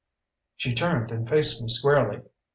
She turned and faced me squarely.